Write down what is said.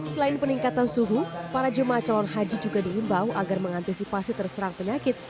selain peningkatan suhu para jemaah calon haji juga diimbau agar mengantisipasi terserang penyakit